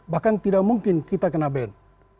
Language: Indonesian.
bahkan tidak mungkin kita kena band